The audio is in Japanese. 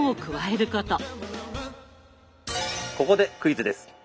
ここでクイズです。